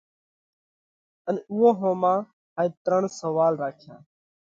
ان اُوئون ۿوما هائي ترڻ سوئال راکيا۔